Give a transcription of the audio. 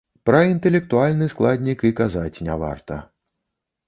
Пра інтэлектуальны складнік і казаць не варта.